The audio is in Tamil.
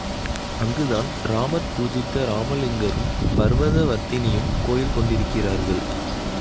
அங்குதான் ராமர் பூஜித்த ராமலிங்கரும் பர்வத வர்த்தினியும் கோயில் கொண்டிருக்கிறார்கள்.